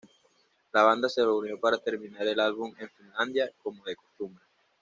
La banda se reunió para terminar el álbum en Finlandia, como de costumbre.